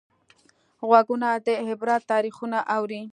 غوږونه د عبرت تاریخونه اوري